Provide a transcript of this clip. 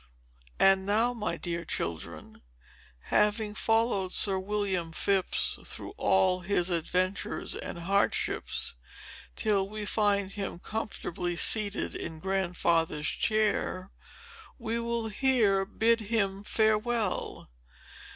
And now, my dear children, having followed Sir William Phips through all his adventures and hardships, till we find him comfortably seated in Grandfather's chair, we will here bid him farewell.